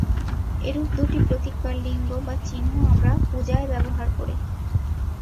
এরূপ দুটি প্রতীক বা লিঙ্গ বা চিহ্ন আমরা পূজায় ব্যবহার করি।